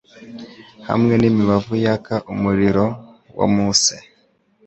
Hamwe n'imibavu yaka umuriro wa Muse.